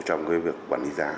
trong việc quản lý giá